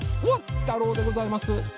ワン太郎でございます。